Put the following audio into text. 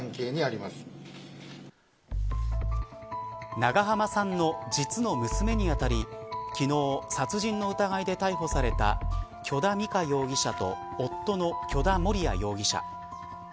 長濱さんの実の娘に当たり昨日、殺人の疑いで逮捕された許田美香容疑者と夫の許田盛哉容疑者。